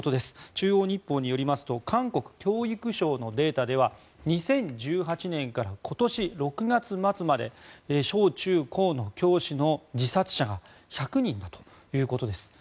中央日報によりますと韓国教育省のデータでは２０１８年から今年６月末まで小中高の教師の自殺者が１００人だということです。